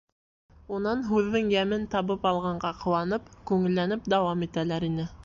Унан, һүҙҙең йәмен табып алғанға ҡыуанып, күңелләнеп дауам итәләр ине.